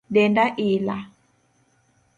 Denda ila